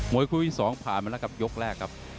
วยคู่ที่๒ผ่านมาแล้วครับยกแรกครับ